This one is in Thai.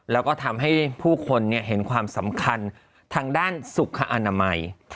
แล้วก็ทำให้ผู้คนเห็นความสำคัญทางด้านสุขอนามัย